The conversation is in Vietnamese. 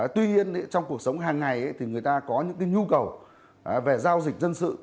tuy nhiên trong cuộc sống hàng ngày thì người ta có những nhu cầu về giao dịch dân sự